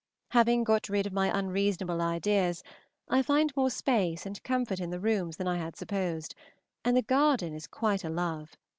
Having got rid of my unreasonable ideas, I find more space and comfort in the rooms than I had supposed, and the garden is quite a love.